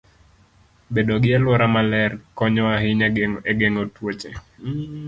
Bedo gi alwora maler konyo ahinya e geng'o tuoche.